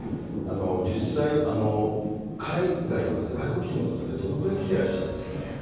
実際、海外の方、外国人の方ってどのぐらい来てらっしゃるんですかね。